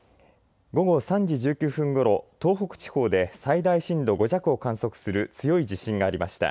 午後３時１９分ごろ東北地方で最大震度５弱を観測する強い地震がありました。